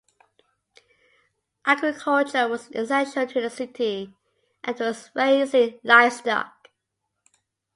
Agriculture was essential to the city, as was raising livestock.